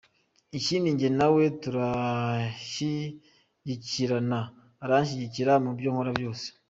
Ikindi njye na we turashyigikirana, aranshyigikira mu byo nkora byose.